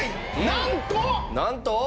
なんと。